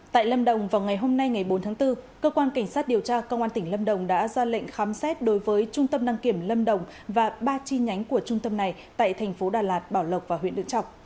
tại lâm đồng vào ngày hôm nay ngày bốn tháng bốn cơ quan cảnh sát điều tra công an tỉnh lâm đồng đã ra lệnh khám xét đối với trung tâm đăng kiểm lâm đồng và ba chi nhánh của trung tâm này tại thành phố đà lạt bảo lộc và huyện đức trọng